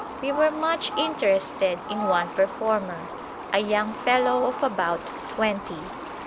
We were much interested in one performer, a young fellow of about twenty.